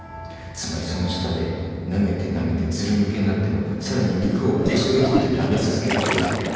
つまりその舌でなめてなめてずるむけになってもさらに肉をこそげとってなめ続けるんですよ。